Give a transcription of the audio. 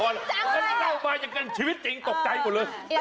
เป็นละครเราก็เล่ามาจากกันชีวิตจริงตกใจก่อนเลย